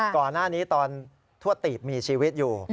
ก่อนหน้านี้ตอนทั่วตีบมีชีวิตอยู่